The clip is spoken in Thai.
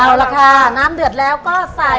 เอาละค่ะน้ำเดือดแล้วก็ใส่